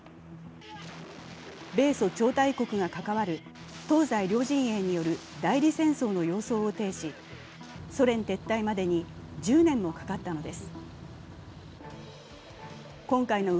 米ソ超大国が関わる東西両陣営による代理戦争の様相を呈しソ連撤退までに１０年もかかったのです。